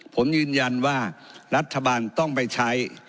ผมยืนยันว่ารัฐบาลต้องไปใช้